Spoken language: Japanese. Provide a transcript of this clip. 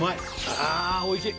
あーおいしい